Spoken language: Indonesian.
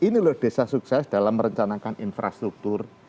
ini loh desa sukses dalam merencanakan infrastruktur